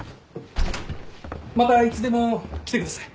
またいつでも来てください。